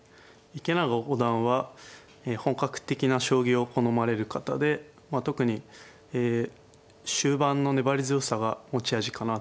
池永五段は本格的な将棋を好まれる方でまあ特にえ終盤の粘り強さが持ち味かなと思っております。